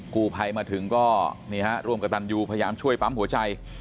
กู้ภัยมาถึงก็นี่ฮะร่วมกับตันยูพยายามช่วยปั๊มหัวใจ